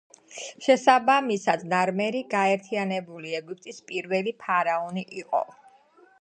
შესაბამისად ნარმერი გაერთიანებული ეგვიპტის პირველი ფარაონი იყო.